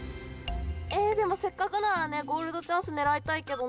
えでもせっかくならねゴールドチャンスねらいたいけどな。